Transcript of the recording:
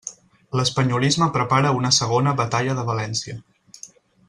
L'espanyolisme prepara una segona Batalla de València.